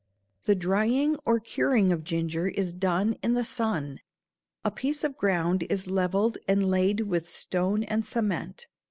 The drying or curing of ginger is done in the sun. A piece of ground is leveled and laid with stone and cement.